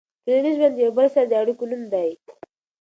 ټولنیز ژوند د یو بل سره د اړیکو نوم دی.